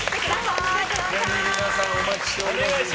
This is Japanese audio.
ぜひ皆さんお待ちしております。